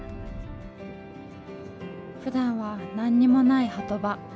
ふだんは何にもない波止場。